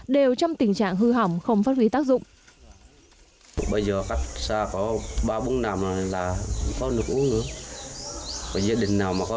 đều trong tình trạng hư hỏng không phát huy tác dụng